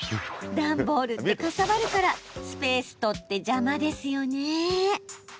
段ボールってかさばるからスペース取って邪魔ですよね？